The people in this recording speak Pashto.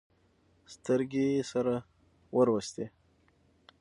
سترګې يې سره ور وستې.